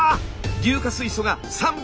硫化水素が３６０！